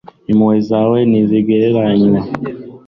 impuhwe zawe ntizigereranywa